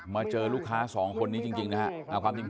มาเจอลูกค้าสองคนนี้จริงนะครับ